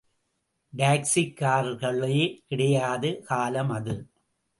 Taxi கார்களே கிடையாத காலம் அது.